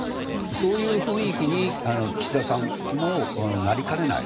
そういう雰囲気に岸田さんもなりかねない。